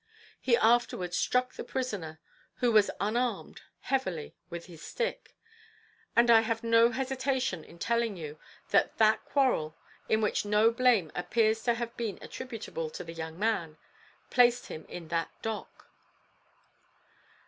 He afterwards struck the prisoner, who was unarmed, heavily with his stick; and I have no hesitation in telling you, that that quarrel, in which no blame appears to have been attributable to the young man, placed him in that dock.